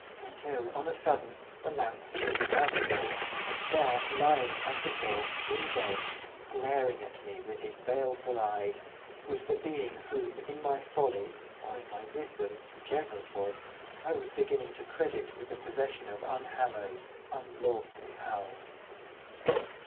Until, on a sudden, the lamp flamed out again, and there, lying, as before, in bed, glaring at me with his baleful eyes, was the being whom, in my folly, or in my wisdom, whichever it was! I was beginning to credit with the possession of unhallowed, unlawful powers.